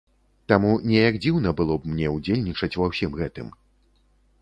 Таму неяк дзіўна было б мне ўдзельнічаць ва ўсім гэтым.